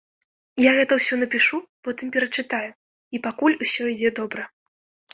Я гэта ўсё напішу, потым перачытаю, і пакуль усё ідзе добра.